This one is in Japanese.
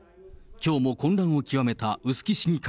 きょうも混乱を極めた臼杵市議会。